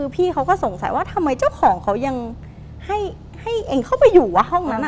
พี่เขาก็สงสัยว่าทำไมเจ้าของเขายังให้เองเข้าไปอยู่ว่าห้องนั้น